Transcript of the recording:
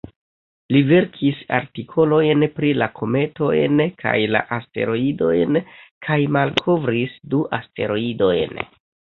Li verkis artikolojn pri la kometojn kaj la asteroidojn kaj malkovris du asteroidojn.